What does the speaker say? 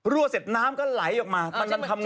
รั่วเสร็จน้ำก็ไหลออกมาตอนมันทำงาน